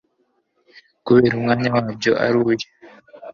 kubera umwanya wabyo ari uyu